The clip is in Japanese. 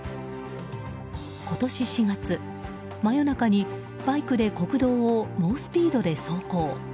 今年４月、真夜中にバイクで国道を猛スピードで走行。